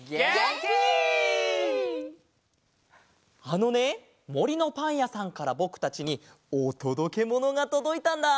あのねもりのパンやさんからぼくたちにおとどけものがとどいたんだ！